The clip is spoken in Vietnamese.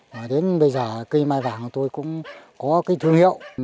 và đến bây giờ cây mai vàng tôi cũng có cái thương hiệu